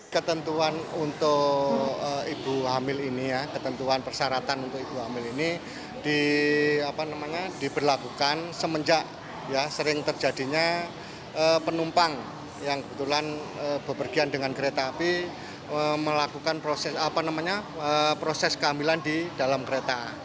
ketentuan untuk ibu hamil ini ketentuan persyaratan untuk ibu hamil ini diberlakukan semenjak sering terjadinya penumpang yang kebetulan berpergian dengan kereta api melakukan proses kehamilan di dalam kereta